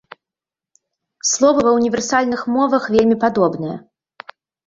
Словы ва універсальных мовах вельмі падобныя.